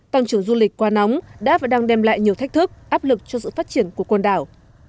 tăng trưởng du lịch qua nóng đã và đang đem lại nhiều thách thức áp lực cho sự phát triển của con đảo